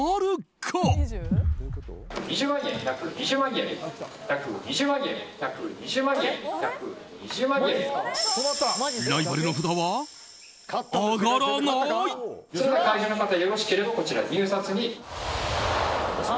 会場の方がよろしければこちら、入札に。